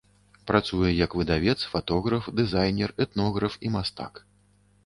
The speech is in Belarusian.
Працуе як выдавец, фатограф, дызайнер, этнограф і мастак.